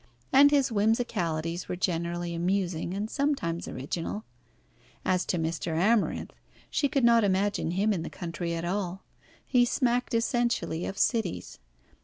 And his whimsicalities were generally amusing, and sometimes original. As to Mr. Amarinth, she could not imagine him in the country at all. He smacked essentially of cities.